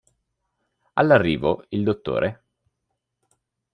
All'arrivo il dott.